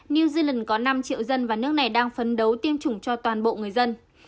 new zealand có năm triệu dân và nước này đang phấn đấu tiêm chủng cho toàn bộ người dân